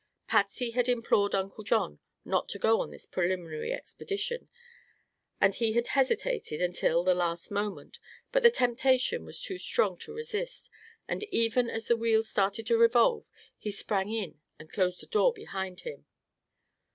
Patsy had implored Uncle John not to go on this preliminary expedition and he had hesitated until the last moment; but the temptation was too strong to resist and even as the wheels started to revolve he sprang in and closed the door behind him.